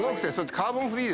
カーボンフリー。